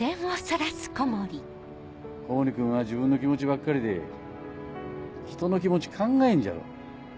小森君は自分の気持ちばっかりでひとの気持ち考えんじゃろ。